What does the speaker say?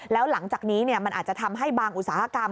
แล้วหลังจากนี้มันอาจจะทำให้บางอุตสาหกรรม